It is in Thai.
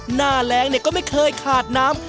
หน้าแรงก็ไม่เคยขาดน้ำ